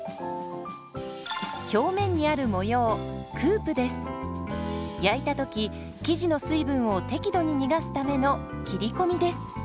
表面にある模様焼いた時生地の水分を適度に逃がすための切り込みです。